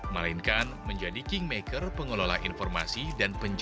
melainkan menjadi kingmaker pengelola informasi dan penyelidikan